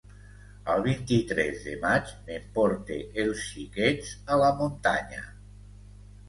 El vint-i-tres de maig m'emporte els xiquets a la muntanya.